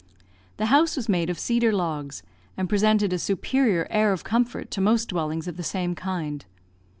The house was made of cedar logs, and presented a superior air of comfort to most dwellings of the same kind.